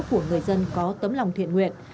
của người dân có tấm lòng thiện nguyện